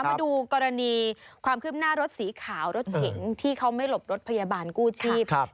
มาดูกรณีความคืบหน้ารถสีขาวรถเก๋งที่เขาไม่หลบรถพยาบาลกู้ชีพ